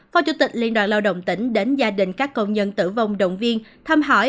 phó chủ tịch liên đoàn lao động tỉnh đến gia đình các công nhân tử vong động viên thăm hỏi